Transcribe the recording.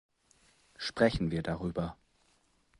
Sprechen wir darüber.